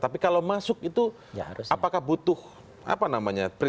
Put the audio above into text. tapi kalau masuk itu apakah butuh apa namanya